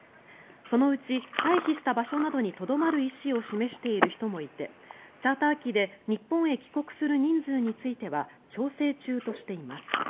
そのうち、退避した場所などにとどまる意思を示している人もいてチャーター機で日本へ帰国する人数については調整中としています。